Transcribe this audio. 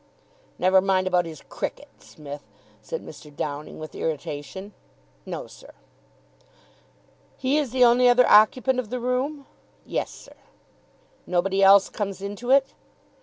"Never mind about his cricket, Smith," said Mr. Downing with irritation. "No, sir." "He is the only other occupant of the room?" "Yes, sir." "Nobody else comes into it?"